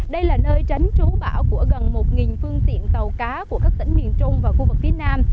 đây là nơi tránh trú bão của gần một phương tiện tàu cá của các tỉnh miền trung và khu vực phía nam